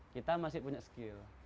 kita masih punya skill